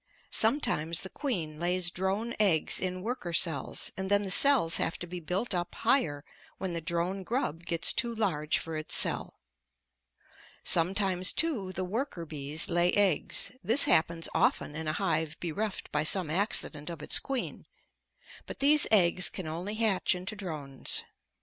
Sometimes the queen lays drone eggs in worker cells and then the cells have to be built up higher when the drone grub gets too large for its cell. Sometimes, too, the worker bees lay eggs this happens often in a hive bereft by some accident of its queen but these eggs can only hatch into drones.